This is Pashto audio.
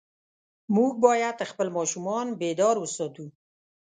موږ باید خپل ماشومان بیدار وساتو.